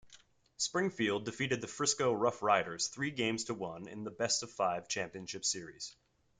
Springfield defeated the Frisco RoughRiders three games to one in the best-of-five Championship Series.